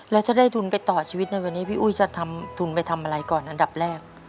แล้วถ้าได้ทุนไปต่อชีวิตในวันนี้พี่อุ้ยจะทำทุนไปทำอะไรก่อนอันดับแรก